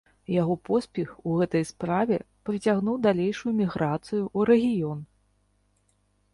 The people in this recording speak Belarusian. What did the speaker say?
Яго поспех у гэтай справе прыцягнуў далейшую міграцыі ў рэгіён.